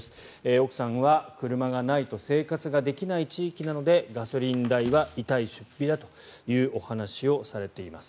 奥さんは、車がないと生活ができない地域なのでガソリン代は痛い出費だというお話をされています。